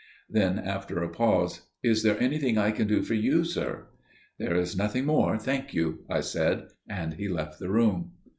Then, after a pause, "Is there anything I can do for you, sir?" "There is nothing more, thank you," I said, and he left the room.